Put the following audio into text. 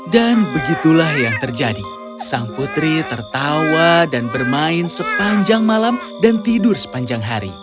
dan begitulah yang terjadi sang putri tertawa dan bermain sepanjang malam dan tidur sepanjang hari